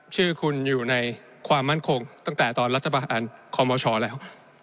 ชื่อคุณอยู่ในความมั่นคงตั้งแต่ตอนรัฐบาลคอมชแล้ว